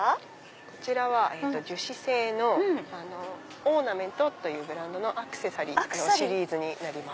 こちらは樹脂製のｏｒｎａｍｅｎｔというブランドのアクセサリーのシリーズになります。